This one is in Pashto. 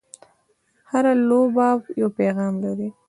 هره لوبه یو پیغام لري.